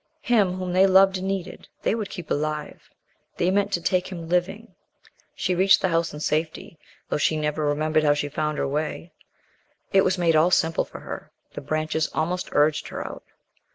Him, whom they loved and needed, they would keep alive. They meant to take him living. She reached the house in safety, though she never remembered how she found her way. It was made all simple for her. The branches almost urged her out.